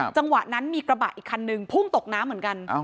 จังหวะนั้นมีกระบะอีกคันนึงพุ่งตกน้ำเหมือนกัน